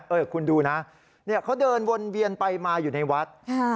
เออคุณดูนะเขาเดินวนเวียนไปมาอยู่ในวัด